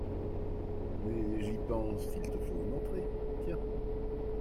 Mais, j’y pense, il te faut une entrée ; tiens…